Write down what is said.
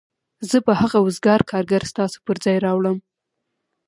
زه به هغه وزګار کارګر ستاسو پر ځای راوړم